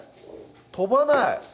飛ばない！